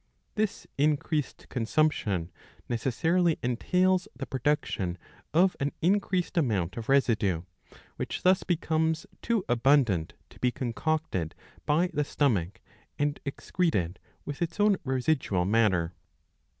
This increased consumption necessarily entails the production of an increased amount of residue ; which thus becomes too abundant to be concocted by the stomach and excreted with its own residual matter.